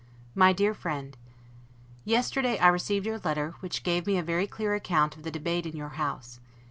MY DEAR FRIEND: Yesterday I received your letter, which gave me a very clear account of the debate in your House.